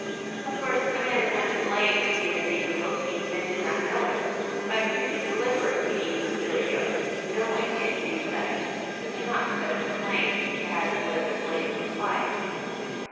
Of course, a man is not to blame if he has eaten goat meat and did not know it, but if he deliberately eats billy goat, know ing it to be such, he can not set up a claim to having lived a blameless life.